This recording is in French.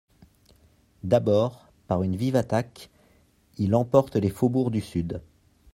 D'abord, par une vive attaque, il emporte les faubourgs du sud.